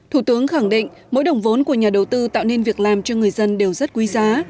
thủ tướng khẳng định mỗi đồng vốn của nhà đầu tư tạo nên việc làm cho người dân đều rất quý giá